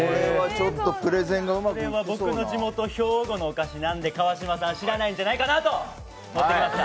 これは僕の地元・兵庫のお菓子なんで川島さん、知らないんじゃないかなと持ってきました。